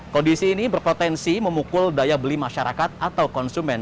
kondisi ini berpotensi memukul daya beli masyarakat atau konsumen